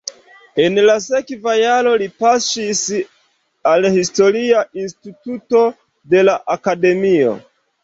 En la sekva jaro li paŝis al historia instituto de la akademio.